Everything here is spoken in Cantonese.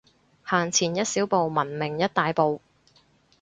行前一小步，文明一大步